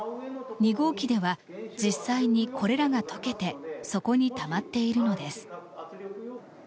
２号機では実際にこれらが溶けて底にたまっているのです。